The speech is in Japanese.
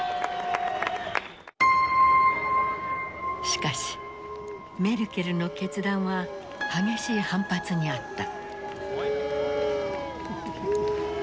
しかしメルケルの決断は激しい反発にあった。